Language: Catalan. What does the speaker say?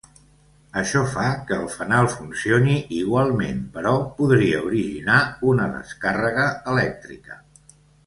Això fa que el fanal funcioni igualment però podria originar una descàrrega elèctrica.